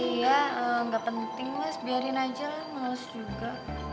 iya gak penting mas biarin aja mas juga